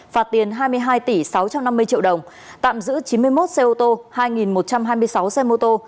phạt tiền hai mươi hai tỷ sáu trăm năm mươi triệu đồng tạm giữ chín mươi một xe ô tô hai một trăm hai mươi sáu xe mô tô